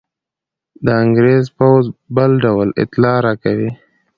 د انګرېز پوځ بل ډول اطلاع راکوي.